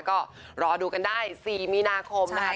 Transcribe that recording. ก็รอดูกันได้๔มีนาคมนะคะ